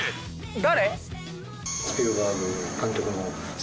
誰？